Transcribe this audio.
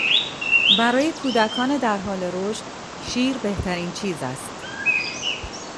برای کودکان در حال رشد شیر بهترین چیز است.